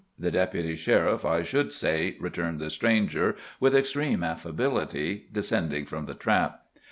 The Deputy Sheriff, I should say," returned the stranger with extreme affability, descending from the trap.